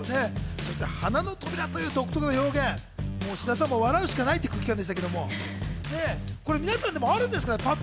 そして鼻の扉っていう独特な表現、志田さんも笑うしかないっていう空気でしたけど、皆さんあるんですかね？